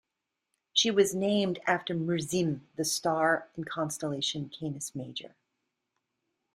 She was named after Murzim, the star in constellation Canis Major.